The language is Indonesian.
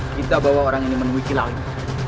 kita bawa orang ini menemui kilau ini